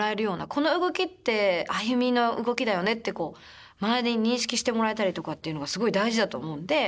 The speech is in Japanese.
この動きってＡＹＵＭＩの動きだよねってこう周りに認識してもらえたりとかっていうのがすごい大事だと思うんで。